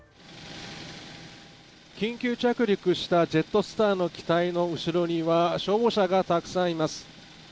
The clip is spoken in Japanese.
緊急着陸したジェットスターの機体の後ろには消防車がたくさんいます。